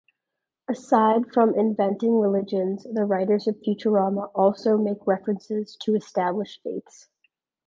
Aside from inventing religions, the writers of "Futurama" also make references to established faiths.